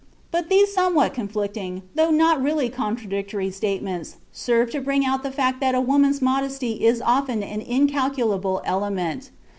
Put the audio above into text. But these somewhat conflicting, though not really contradictory, statements serve to bring out the fact that a woman's modesty is often an incalculable element.